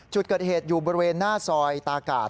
จุดเกิดเหตุอยู่บริเวณหน้าซอยตากาศ